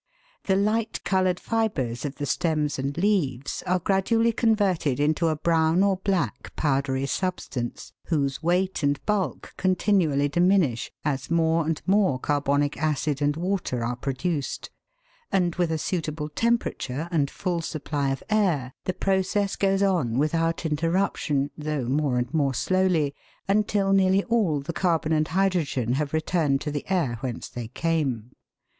The light coloured fibres of the stems and leaves are gradually converted into a brown or black powdery substance, whose weight and bulk continually diminish as more and more carbonic acid and water are produced ; and, with a suitable temperature and full supply of air, the process goes on without interruption, though more and more slowly, until nearly all the carbon and hydrogen have returned to the air whence they came.